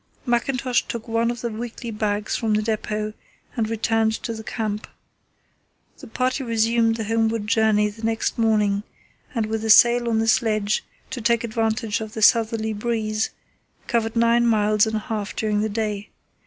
Mackintosh took one of the weekly bags from the depot and returned to the camp. The party resumed the homeward journey the next morning, and with a sail on the sledge to take advantage of the southerly breeze, covered nine miles and a half during the day.